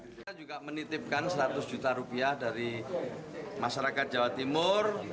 kita juga menitipkan seratus juta rupiah dari masyarakat jawa timur